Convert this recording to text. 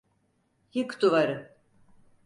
Yık duvarı!